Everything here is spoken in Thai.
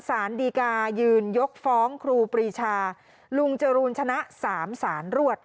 สารดีกายืนยกฟ้องครูปรีชาลุงจรูนชนะ๓สารรวด